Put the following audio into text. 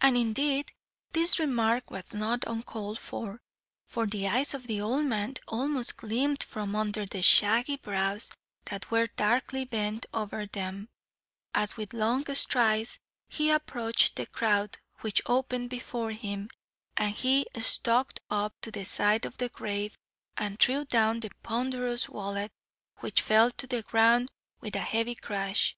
And indeed this remark was not uncalled for, for the eyes of the old man almost gleamed from under the shaggy brows that were darkly bent over them, as, with long strides, he approached the crowd which opened before him, and he stalked up to the side of the grave and threw down the ponderous wallet, which fell to the ground with a heavy crash.